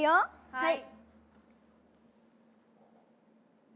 はい。